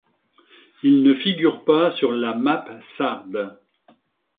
Il ne figure pas sur la Mappe sarde.